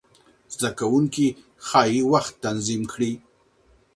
زده کوونکي ښايي وخت تنظیم کړي.